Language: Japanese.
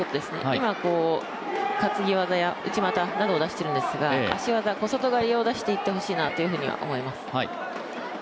今、担ぎ技や内股などを出しているんですが、足技、小外刈りを出していってほしいなとは思います。